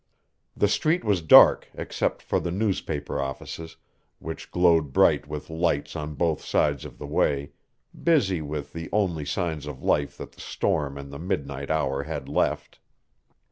The street was dark except for the newspaper offices, which glowed bright with lights on both sides of the way, busy with the only signs of life that the storm and the midnight hour had left.